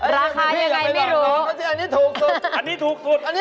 ราคายังไงไม่รู้